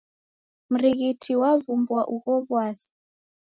Mrighiti wavumbua ugho w'asi.